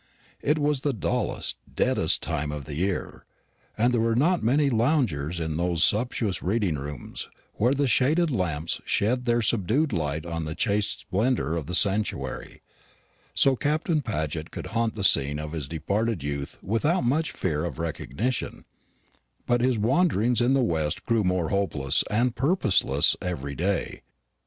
It was the dullest, deadest time of the year, and there were not many loungers in those sumptuous reading rooms, where the shaded lamps shed their subdued light on the chaste splendour of the sanctuary; so Captain Paget could haunt the scene of his departed youth without much fear of recognition: but his wanderings in the West grew more hopeless and purposeless every day.